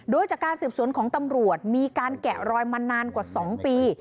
โดยจากการสืบสวนของตำรวจมีการแกะรอยมานานกว่า๒ปี